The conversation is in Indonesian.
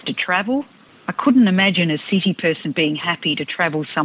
mereka harus membeli perubahan di kawasan